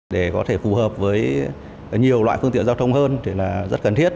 để có thể phù hợp với nhiều loại phương tiện giao thông hơn thì là rất cần thiết